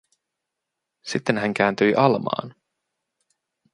Sitten hän kääntyi Almaan.